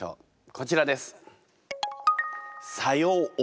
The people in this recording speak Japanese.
こちらです。